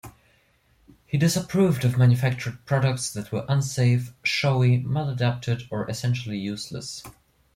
He disapproved of manufactured products that were unsafe, showy, maladapted, or essentially useless.